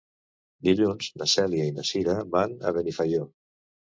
Dilluns na Cèlia i na Cira van a Benifaió.